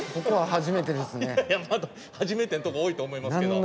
初めてのとこ多いと思いますけど。